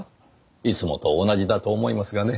いつもと同じだと思いますがね。